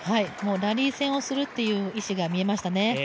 ラリー戦をするという意思が見えましたね。